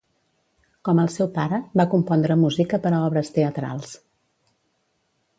Com el seu pare, va compondre música per a obres teatrals.